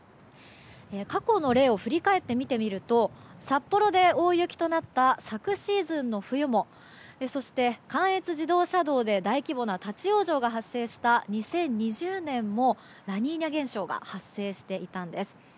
過去の例を振り返って見てみると札幌で大雪となった昨シーズンの冬もそして、関越自動車道で大規模な立ち往生が発生した２０２０年も、ラニーニャ現象が発生していたんです。